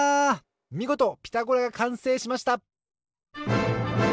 みごと「ピタゴラ」がかんせいしました！